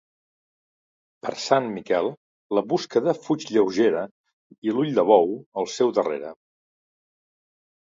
Per Sant Miquel la busqueta fuig lleugera i l'ull de bou, al seu darrere.